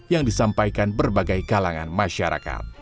yang disampaikan berbagai kalangan masyarakat